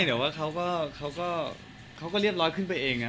ไม่ครับยังไม่เดี๋ยวว่าเขาก็เรียบร้อยขึ้นไปเองนะ